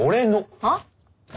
はっ？